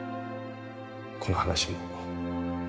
この話も